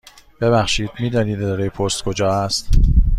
ببخشید، می دانید اداره پست کجا است؟